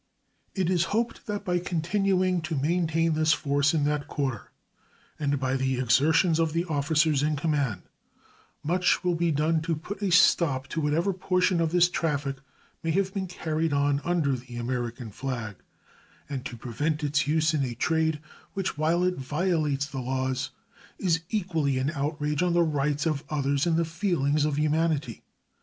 It is hoped that by continuing to maintain this force in that quarter and by the exertions of the officers in command much will be done to put a stop to whatever portion of this traffic may have been carried on under the American flag and to prevent its use in a trade which, while it violates the laws, is equally an outrage on the rights of others and the feelings of humanity.